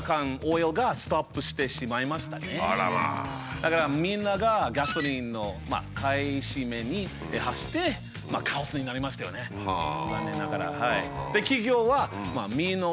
だからみんながガソリンの買い占めに走ってカオスになりましたよね残念ながら。